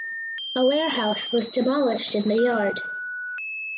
A warehouse was demolished in the yard.